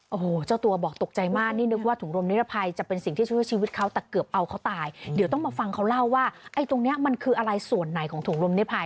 โอ้โหเจ้าตัวบอกตกใจมากนี่นึกว่าถุงรมนิรภัยจะเป็นสิ่งที่ช่วยชีวิตเขาแต่เกือบเอาเขาตายเดี๋ยวต้องมาฟังเขาเล่าว่าไอ้ตรงเนี้ยมันคืออะไรส่วนไหนของถุงลมนิภัย